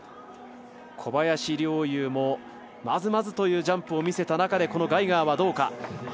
小林陵侑もまずまずというジャンプを見せた中でこのガイガーはどうか。